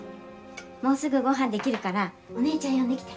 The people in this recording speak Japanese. もうすぐごはん出来るからお姉ちゃん呼んできて。